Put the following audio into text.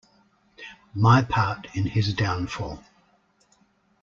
My Part in his Downfall.